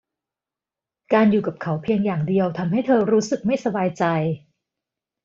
การอยู่กับเขาเพียงอย่างเดียวทำให้เธอรู้สึกไม่สบายใจ